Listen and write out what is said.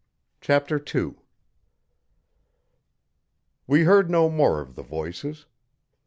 Chapter 2 We heard no more of the voices.